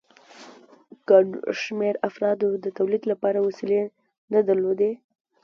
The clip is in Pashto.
ګڼ شمېر افرادو د تولید لپاره وسیلې نه درلودې